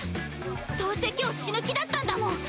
どうせ今日死ぬ気だったんだもん。